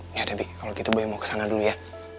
nih ada bi kalau gitu bu mau kesana dulu ya